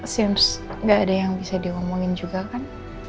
sains gak ada yang bisa diomongin juga kan